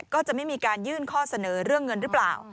ก็จะไม่มีการยื่นข้อเสนอเรื่องเงินหรือเปล่า